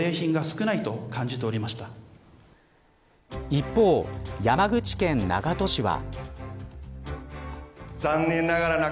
一方、山口県長門市は。